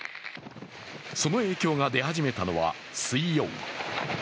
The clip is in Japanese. その影響が出始めたのは水曜。